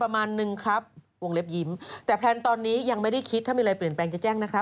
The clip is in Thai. ไม่ต้องกดที่เซลล่ะ